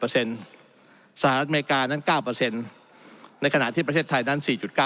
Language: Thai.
สหรัฐอเมริกานั้น๙ในขณะที่ประเทศไทยนั้น๔๙